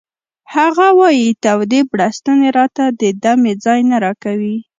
هغه وایی تودې بړستنې راته د دمې ځای نه راکوي